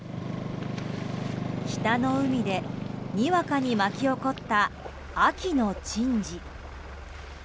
北の海でにわかに巻き起こった秋の珍事。